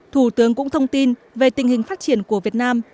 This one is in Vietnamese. thủ tướng cũng thông tin về tình hình phát triển của việt nam